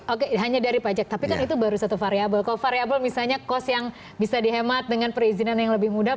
oke hanya dari pajak tapi kan itu baru satu variable kalau variable misalnya cost yang bisa dihemat dengan perizinan yang lebih mudah